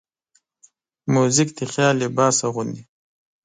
موزیک د خیال لباس اغوندي.